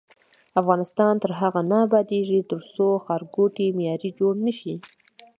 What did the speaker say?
افغانستان تر هغو نه ابادیږي، ترڅو ښارګوټي معیاري جوړ نشي.